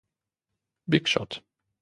Big Shot".